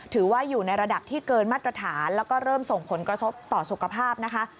ถือว่าอยู่ในระดับที่เกินมาตรฐานแล้วก็เริ่มส่งผลกระทบต่อสุขภาพนะคะ